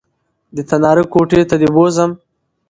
د تناره کوټې ته دې بوځم